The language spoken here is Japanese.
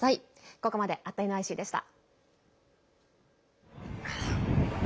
ここまで「＠ｎｙｃ」でした。